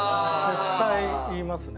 絶対言いますね。